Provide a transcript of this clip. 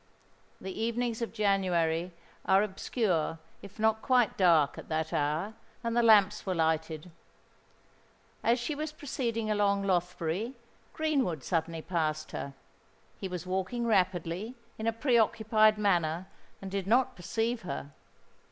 The evenings of January are obscure, if not quite dark, at that hour; and the lamps were lighted. As she was proceeding along Lothbury, Greenwood suddenly passed her. He was walking rapidly, in a pre occupied manner, and did not perceive her.